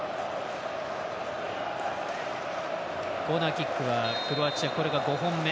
コーナーキックはクロアチア、５本目。